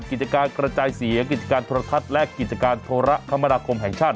กิจการกระจายเสียงกิจการโทรทัศน์และกิจการโทรคมนาคมแห่งชาติ